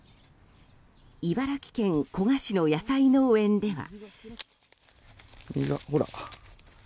茨城県古河市の野菜農園では。